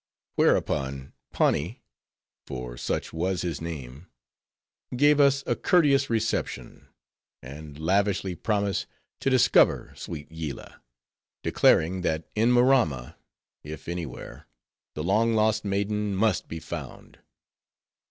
Whereupon Pani, for such was his name, gave us a courteous reception; and lavishly promised to discover sweet Yillah; declaring that in Maramma, if any where, the long lost maiden must be found.